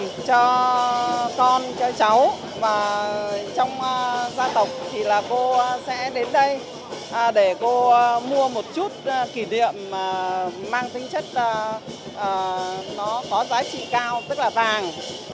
để cho con cho cháu và trong dân tộc thì là cô sẽ đến đây để cô mua một chút kỷ niệm mang tính chất nó có giá trị cao tức là vàng